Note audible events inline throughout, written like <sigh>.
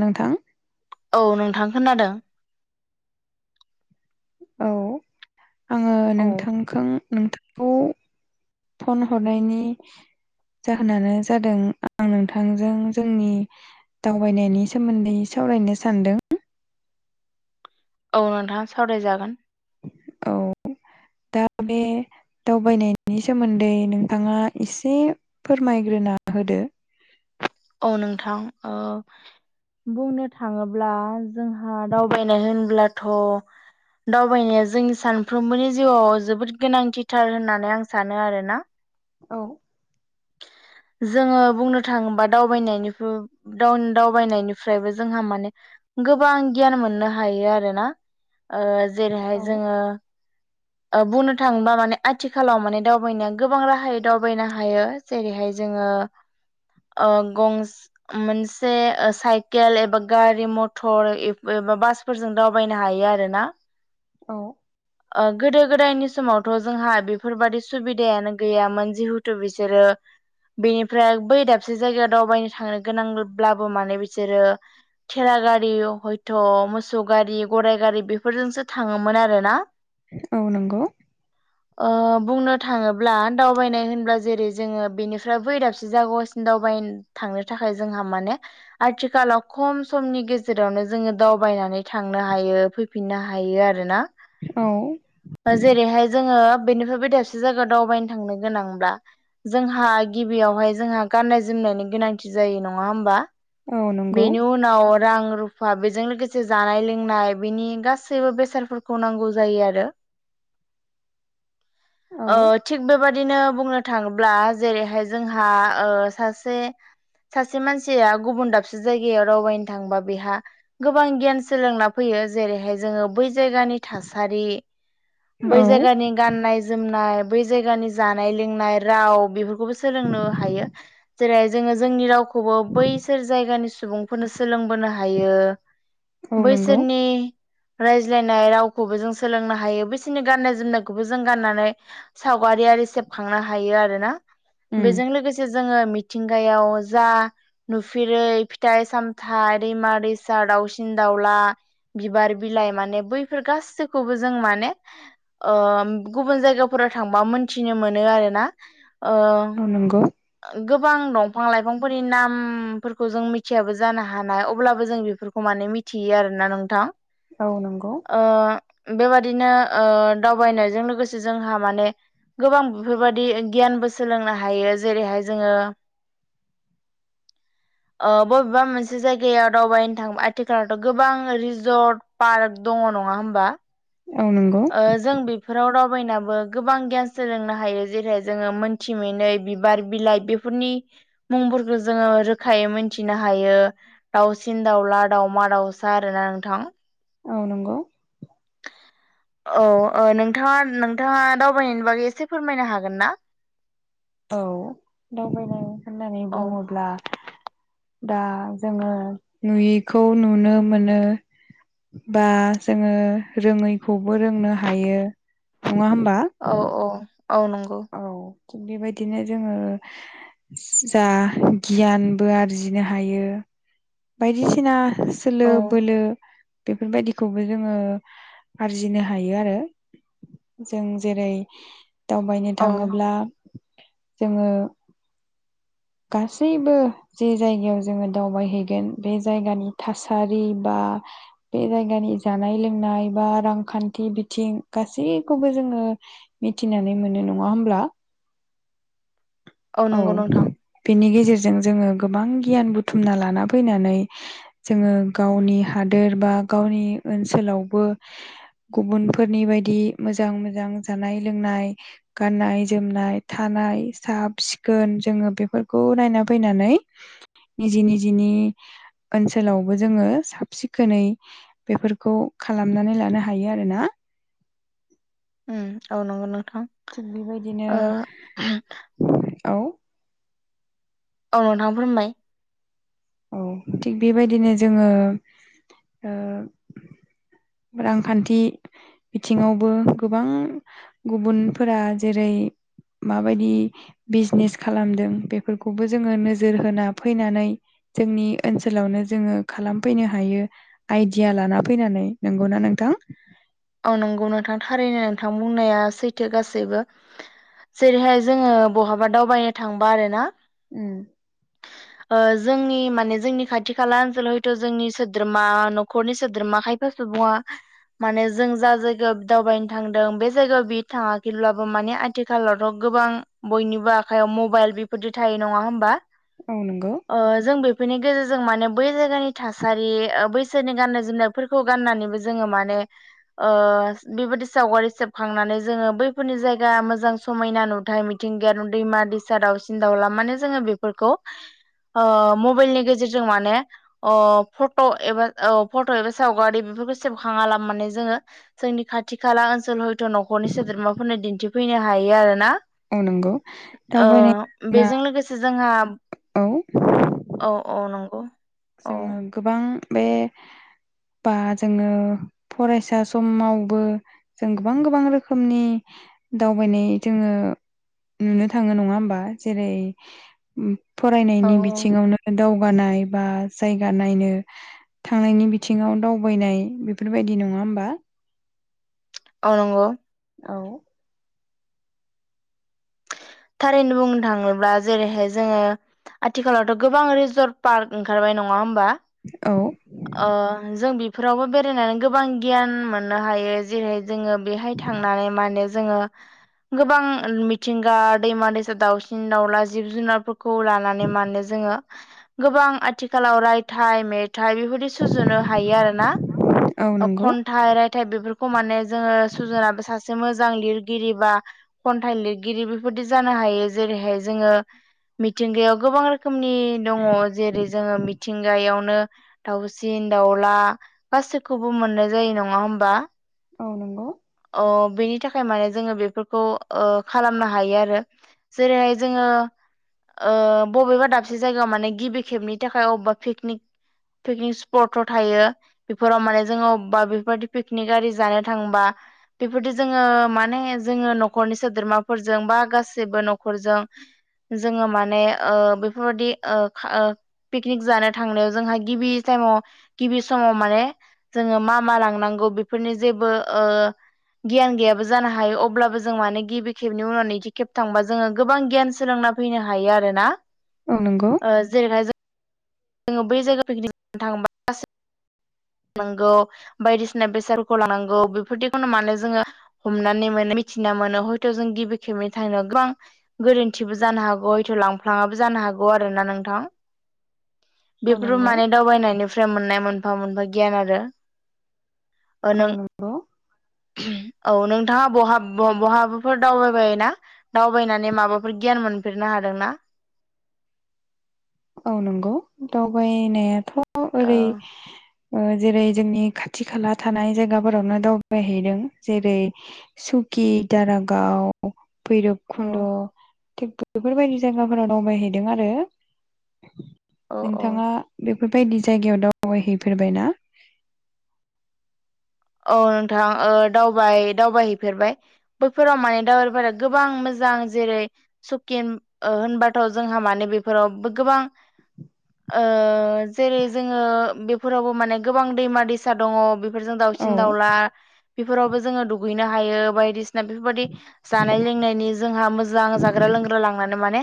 नोंथां। औ नोंथां खोनादों। औ आङो औ नोंथांखौ नोंथांखौ फन हरनायनि जाहोनानो जादों आं नोंथांजों जोंनि दावबायनायनि सोमोन्दै सावरायनो सानदों। <inaudible> औ नोंथाङा सावरायजागोन। औ दा बे दावबायनायनि सोमोन्दै नोंथाङा एसे फोरमायग्रोना होदो। औ नोंथां। ओ बुंनो थाङोब्ला जोंहा दावबायनाय होनब्लाथ' दावबायनाया जोंनि सानफ्रोमबोनि जिउआव जोबोद गोनांथिथार होननानै आं सानो आरोना। औ <inaudible> जोङो बुंनो थाङोबा दावबायनायनि फु दावन दावबायनायनिफ्रायबो जोंहा माने गोबां गियान मोननो हायो आरोना। ओ जेरैहाय औ जोङो ओ बुंनो थाङोबा माने आथिखालाव माने दावबायनाया गोबां राहायै दावबायनो हायो। जेरैहाय जों जोङो ओ गंस मोनसे ओ साइकेल एबा गारि, मथर एब एब ओमबा बासफोरजों दावबायनो हायो आरो ना। औ। गोदो गोदायनि समावथ' जोंहा बेफोरबायादि सुबिदायानो गैयामोन। जिहेथु बिसोरो बेनिफ्राय बै दाबसे जायगायाव दावबायनो थांनो गोनांब्लाबो माने बिसोरो थेरा गारि हयथ' मोसौ गारि गराइ गारि बेफोरजोंसो थाङोमोन आरोना। औ नंगौ। ओ बुंनो थाङोब्ला दावबायनाय होनब्ला जेरै जोङो बेनिफ्राय बै दाबसे जागावसिम दावबायन थांनो थाखाय जोंहा माने आथिखालाव खम समनि गेजेरावनो जोङो दावबाय नानै थांनो हायो, फैफिननो हायो आरोना। औ ओ जेरैहाय जोङो बेनिफ्राय दाबसे जायायाव दावबायनो थांनो गोनांब्ला। जोंहा गिबियावहाय जोंहा गानाय जोम होनायनि गोनांथि जायो नङा होमबा? औ नंगौ बेनि उनाव रां रु फा बेजों लोगोसे जानाय लोंनाय बेनि गासैबो बेसादफोरखौ नांगौ जायो आरो। औ थिग बेबादिनो बुंनो थाङोब्ला जेरैहाय जोंहा ओ सासे सासे मानसिया गुबुन दाबस जायगायाव दावबायनो थांबा बेहा गोबां गियान सोलोंना फैयो। जेरैहाय जोङो बै जायगा नि थासारि बै औ जायगानि गाननाय जोमनाय बै जायगानि जानाय लोंनाय राव बेफोरख खौबो सोलोंनो हायो। जेरै जोङो जोंनि रावखौबो बैसोर जायगानि सुबुंफोरनो सोलोंबोनो हायो। औ नंगौ बैसोरनि रायज्लायनाय रावखौबो जों सोलोंनो हायो। बिसोरनि गाननाय जोमनायखौबो जों गाननानै सावगारि सावगारि सेबखांनो हायो आरोना? उम बेजों लोगोसे जोङो मिथिंगायाव जा नुफेरै फिथाय सामथाय दैमा दैसा दावसिन दावला बिबार बिलाइ माने बैफोर गासैखौबो जों माने ओ गुबुन जायगाफोर राव थांबा मोनथिनो मोनो आरोना? ओ औ नंगौ गोबां दंफां लाइफांफोरनि नामफोरखौ जों मिथ थियाबो जानो हानाय अब्लाबो जों बेफोरखौ माने मिथियो आरोना नोंथां? औ नंगौ। ओ बेबादिनो ओ दावबायनायजों लोगोसे जोंहा माने गोबां बेफोरबादि गियानबो सोलोंनो हायो। जेरैहाय जोङो <inaudible> ओ बबेबा मोनसे जायगायाव दावबायनो थाङोबा आथिखालावथ' गोबां रिजर्ट पार्क दङ नं नङा होनबा? नंगौ ओ जों बेफोराव राव बयनाबो गोबां गियान सोलोंनो हायो। जेरै जोङो मोनथिमनै बिबार बिलाइ बेफोरनि मुंफोरखौ जोङो रोखायै मोनथिनो हायो दाउसिन दाउला दाउमा दाउसा आरोना नोंथां औ नंगौ <inaudible> औ ओ नोंथाङा नोंथाङा दावबायनायनि बागै एसे फोरमायनो हागोन ना? औ दावबायनाय होननानै औ बुङोब्ला दा जोङो नुयिखौ नुनो मोनो बा जोङो रोङैखौबो रोंनो हायो नङा होनबा? औ औ नांगौ। थिग बेबायदिनो जोङो जा गियानबो आरजिनो हायो बायदिसिना सोलो औ बोलो बेफोरबायदिखौबो जोङो आरजिनो हायो आरो जों जेरै दावबाय औ थाङोब्ला जोङो गासैबो जे जायगायाव जोङो दावबायहैगोन। बे जायगानि थासारि बा बे जायगानि जानाय लोंनाय बा रांखान्थि बिथिं गासैखौबो जोङो मिथिनानै मोनो नङा होमब्ला? औ नंगौ नोंथां बिनि गेजेर जों जोङो गोबां गियान बुथुमना लाना फैनानै जों गावनि हादोर बा गावनि ओनसोलावबो गुबुनफोरनि बायदि मोजां मोजां जानाय लोंनाय गाननाय जोमनाय साब सिखोन जोङो बेफोरखौ नायनानै फैनानै निजि निजिनि ओनसोलावबो जोङो साब सिखोनै बेफोरखौ खालामनानै लानो हायो आरोना उ औ नंगौ नोंथां थिग बेबायदिनो ओ औ औ नोंथां बुंनाय औ थिग बेबायदिनो जोङो रांखान्थि बिथिङावबो गोबां गुबुनफोरा जेरै माबायदि बिजनेस खालामदों बेफोरखौबो जोङो नोजोर होना फैनानै जोंनि ओनसोलावनो जोङो खालामफैनो हायो आइडिया लाना फैनानै नंगौना नोंथां औ औ नंगौ नोंथां थारैनो नोंथां बुंनाया सैथो गासैबो जेरैहाय जोङो बहाबा दावबायनो थांबा आरो ना उ ओ जोंनि माने जोंनि खाथि खाला ओनसोलाव हयथ' जोंनि सोद्रोमा न'खरनि सोद्रोमा <unintelligible> माने जों जा जायगायाव दावबायनो थांदों बे जायगायाव बि थाङाखैब्लाबो माने आथिखालावथ' गोबां बयनिबो आखाइयाव मबाइल बेफोरदि थायो नङा होमबा औ नंगौ जों बे बेफोरनि गेजेरजों माने बै जायगानि थासारि बैसोरनि गाननाय जोमनायफोरखौ गाननानैबो जोङो माने <unintelligible> बेबायदि सावगारि सेबखांनानै जोङो बैफोरनि जायगा मोजां समायना नुथाय मिथिं दैमा दैसा दाउसिन दाउला मान जोङो बेफोरखौ ओ मबाइलनि गेजेरजों माने फट' एबा फट' एबा सावगारि बेफोरखौ सेबखाङाला मे जोङो जोंनि खाथि खाला ओनसोलाव हयथ' न'खरनि सोद्रोमाफोरनो दिन्थिफैनो हायो आरोना औ नंगौ ओ दावबायनाय ना बेजों लोगोसे जोंहा औ औ औ नंगौ औ जोङो गोबां बे बा जोङो फरायसा समावबो जों गोबां गोबां रोखोमनि दावबायनाय जोङो नुनो थाङो नङा होमबा जेरै औ फरायनायनि बिथिङावनो दावगानाय बा जायगा नायनो थांनायनि बिथिङाव दावबायनाय बेफोरबायदि नङा होमबा। औ नंगौ। औ थारैनो बुंनो थाङोब्ला जेरैहाय जोङो आथिखालावथ' गोबां रिजर्ट पार्क ओंखारबाय नङा होमबा। ओ जों बेफ फोरावबो बेरायनानै गोबां गियान मोननो हायो जेरै जोङो बेहाय थांनानै माने जोङो गोबां मिथिंगा दैमा दैसा, दाउसिन दाउला, जिब जुनारफोर खौ लानानै मानो जोङो गोबां आथिखालाव रायथाइ मेथ थाइ बेफोरदि सुजुनो हायो आरोना, औ नंगौ खन्थाइ रायथाय बेफोर माने जोङो सुजायाबो सासे मोजां लिरगिरि बा खन्थाइ लिरगिरि बेफोरदि जानो हायो जेरैहाय जोङो मिथिंगायाव गोबां रो रोखोमनि दङ जेरै जोङो मिथिंगायावनो ओ दाउसिन दाावला गासैखौबो मोननाय जायो नङा होमबा। ओ नंगौ। अ बेनि थाखाय माने जोङो बेफोरखौ ओ खालामनो हायो आरो। जेरैहाय जोङो ओ बबेबा दाबसे जायगायाव माने गिबि खेबनि थाखाय अबेबा पिकनिक पिकनिक स्पटफोर थायो बेफोराव माने जोङो अबबा बेफोरबायदि पिकनिक आरि जानो थांबा बेफोरदि जोङो माने जोङो न'खरनि सोद्रोमाफोरजों बा गासैबो न'खरजों जोङो माने बेफोरबादि ओ ओ पिकनिक जानो थांनायाव जोंहा गिबि टाइमाव गिबि समाव माने जोङो मा मा लांनां नांगौ बेफोरनि जेबो ओ गियान गैयाबो जानो हायो अब्लाबो जों मानो गिबि खेबनि उनाव नैथि खेब थांबा जोङो गोबां गियान सोलों ना फैनो हायो आरोना औ नंगौ ओ जेरैहाय जों जोङो बै जायगायाव पिकनिक खालामनो थाङोबा गासै लानांगौ बायदिसिना बेसादफोरखौ लानांगौ बेफोरदिखौनो मानो जोङो हमनानै मोनो मिथिना मोनो हयथ' जों गिबि खेबै थांनायाव गोबां गोरोन्थिबो जानो हागौ हयथ' लांफ्लाङाबो जानो हागौ आरोना नोंथां। औ बेफोर नंगौ माने दावबायनायनिफ्राय मोननाय मोनफा मोनफा गियान आरो। ओ औ नों नांगौ। औ नोंथाङा बहा बहाबाफोर दावबाय बाय ना दावबायनानै माबाफोर गियान मोनफेरनो हादोंना? <inaudible> औ नंगौ दावबायनायाथ' औ ओरै जेरै जोंनि खाथि खाला थानाय जायगाफोरावनो दावबायहैदों जेरै सुकि, दारागााव औ भैरबकुन्द' थिग बेफोरबायदि जायगाफोराव दावबायहैदों आरो। औ औ नोंथाङा बे बेफोरबायदि जायगायाव दावबायहैफेरबायना? औ नोंथां दावबाय दावबायहैफेरबाय बैफोराव माने दावबायफोरा गोबां मोजां जां जेरै सुकिन होनबाथ' जोंहा माने बेफोराव गोबां ओ जेरै जोङो बेफोरावबो माने गोबां दैमा दैसा दङ बेफोरजों दाउ औ सिन दाउला बेफोरावबो जोङो दुगैनो हायो बायदिसिना बेफोरबायदि जानाय लोंनायनि जोंहा मोजां जाग्रा लोंग्रा लांनानै माने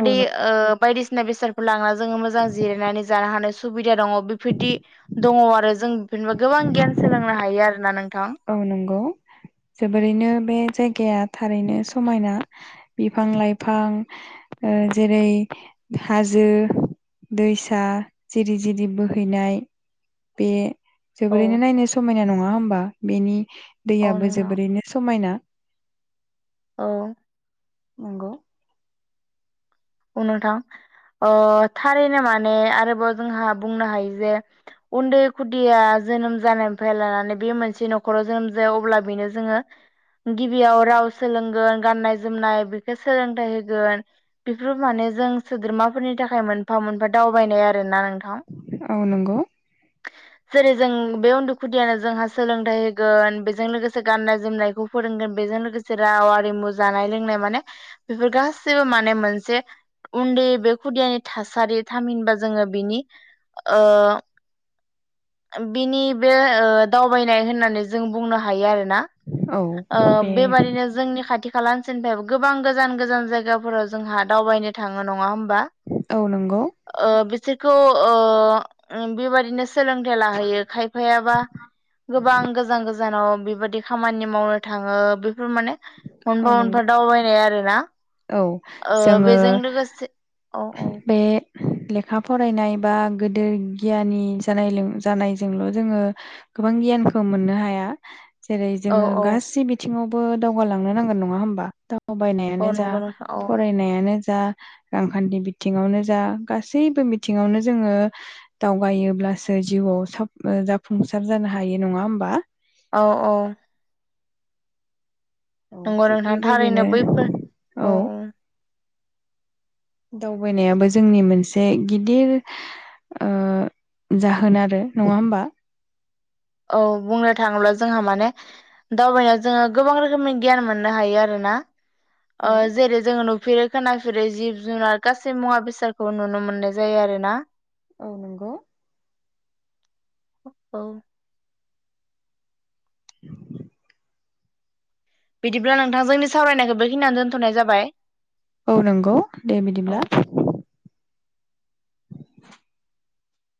औ नं- ओ बायदि सिना बेसादफोर लांना जोङो मोजां जिरायनानै जानो हानाय सुबिदा दङ बेफोरदि दङ आरो जों <unintelligible> गोबां गियान सोलोंनो हायो आरो ना नों औ नंगौ जोबोरैनो बे जायगाया थारैनो समायना बिफां लाइफां ओ जेरै हाजो जो दैसा जिरि जिरि बोहैनाय बे औ जोबोरैनो नायनो समायना नङा होमबा बेनि औ दैयाबो नोंथां जोबोरैनो समायना। औ। नंगौ। औ नोंथां। अह थारैनो माने आरोबाव जोंहा बुंनो हायो जे उन्दै खुदिया जोनोम जानायनिफ्राय लानानै बे मोनसे न'खराव जोनोम जाया अब्ला बेनो जोङो गिबियाव राव सोलोंगोन गाननाय जोमनाय बेखौ सोलोंथाइ होगोन। बेफोर माने जों सोद्रोमाफोरनि थाखाय मोनफा मोनफा दावबायनाय आरो ना नोंथां। औ नंगौ। <inaudible> जेरै जों बे उन्दुखुदिया जोंहा सोलोंथाइ होगोन बेजों लोगोसे गाननाय जोमनायखौ फोरोंगोन बे बेजों लोगोसे राव आरिमु जानाय लोंनाय माने बेफोर गासैबो माने मोनसे उन्दै बे खुदियानि थासारि थामहिनबा जोङो बिनि ओ बिनि बे ओ दावबायनाय होननानै जों बुंनो हायो आरोना। औ ओ बे बेबादिनो जोंनि खाथि खाला <unintelligible> गोबां गोजान गोजान जायगाफोराव जोंहा दावबायनो थाङो नङा होमबा। औ नंगौ ओ बिसोरखौ ओ बेबादनो सोलोंथाइ लाहैयो खायफायाबा गोबां गोजान गोजान। गोजानाव बेबायदि खामानि मावनो थाङो बेफोर माने औ मोनफा नंगौ मोनफा दावबायनाय आरो। औ जोङो लोगोसे औ औ बे लेखा फरायनाय बा गोदेर गियानि जानालों जानायजोंल' जोङो गोबां गियानखौ मोननो हाया। जेरै औ जोङो औ गासै बिथिङावबो दावगालांनो नांगोन नङा होमबा औ दावबायनायानो जा नंगौ नोंथां औ फरायनायानो जा रांखान्थि बिथिङावनो जा गासैबो बिथिङावनो जोङो दावगायो। बासो जिउआव साब जाफुंसार जानो हायो नङा होमबा। औ औ। नंगौ थिग नोंथां बेबायदिनो थारैनो बैफोर औ औ। <inaudible> दावबायनायाबो जोंनि मोनसे गिदिर ओ जाहोन आरो नङा होमबा। औ बुंनो थाङोब्ला जोंहा माने दावबायनायाव जोङो गोबां रोखोमनि गियान मोननो हायो आरो ना। ओ औ जेरै जोङो फिरै खोनाफेरै जिब जुनार गासै मुवा बेसादखौ नुनो मोननाय जायो आरो ना। औ नंगौ। औ। बिदिब्ला नोंथां जोंनि सावरायनायखौ बेखिनियावनो दोनथ'नाय जाबाय। औ नंगौ दे बिदिब्ला। औ <inaudible>